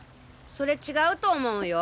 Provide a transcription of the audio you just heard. それ違うと思うよ。